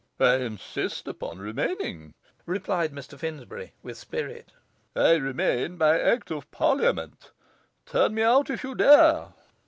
'I insist upon remaining,' replied Mr Finsbury, with spirit; 'I remain by Act of Parliament; turn me out if you dare.